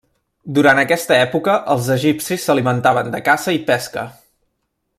Durant aquesta època els egipcis s'alimentaven de caça i pesca.